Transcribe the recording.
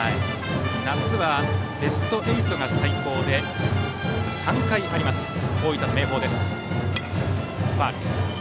夏はベスト８が最高で３回ある大分の明豊です。